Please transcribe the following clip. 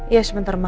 iya sebentar ma